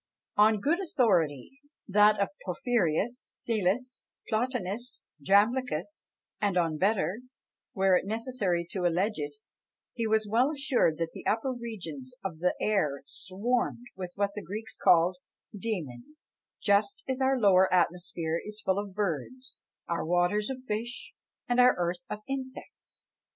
On good authority, that of Porphyrius, Psellus, Plotinus, Jamblichus and on better, were it necessary to allege it he was well assured that the upper regions of the air swarmed with what the Greeks called dæmones, just as our lower atmosphere is full of birds, our waters of fish, and our earth of insects.